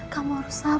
kamu harus sabar